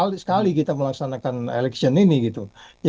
jadi sekali sekali kita melaksanakan eleksi ini kita akan melakukan eleksi ini